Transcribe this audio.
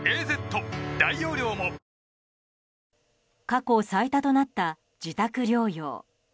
過去最多となった自宅療養。